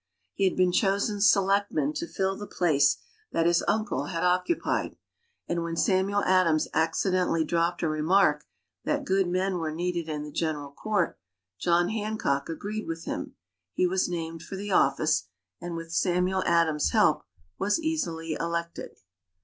He had been chosen selectman to fill the place that his uncle had occupied, and when Samuel Adams incidentally dropped a remark that good men were needed in the General Court, John Hancock agreed with him. He was named for the office and with Samuel Adams' help was easily elected.